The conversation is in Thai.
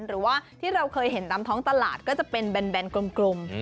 หรือว่าที่เราเคยเห็นตามท้องตลาดก็จะเป็นแบนกลม